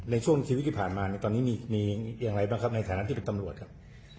ในช่วงชีวิตที่ผ่านมาตอนนี้มีอย่างไรบ้างครับในฐานะที่เป็นตำรวจครับ